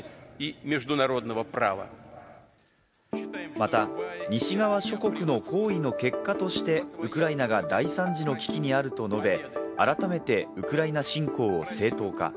また西側諸国の行為の結果としてウクライナが大惨事の危機にあると述べ、改めてウクライナ侵攻を正当化。